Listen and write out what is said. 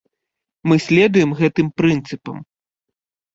Мы следуем гэтым прынцыпам.